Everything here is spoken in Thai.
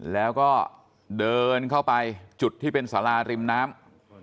แล้วก็เดินเข้าไปจุดที่เป็นสาราริมน้ำ